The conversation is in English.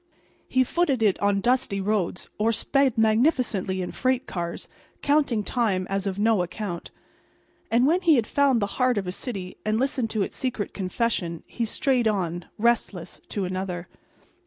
He footed it on dusty roads, or sped magnificently in freight cars, counting time as of no account. And when he had found the heart of a city and listened to its secret confession, he strayed on, restless, to another.